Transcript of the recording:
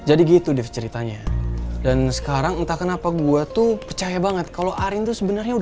aku gak bisa lihat kamu dianggap pengkhianat